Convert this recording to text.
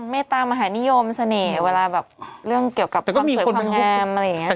เมตตามหานิยมเสน่ห์เวลาแบบเรื่องเกี่ยวกับความสวยความงามอะไรอย่างนี้